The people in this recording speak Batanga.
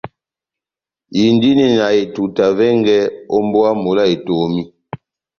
Indini na etuta vɛngɛ ó mbówa mola Etomi.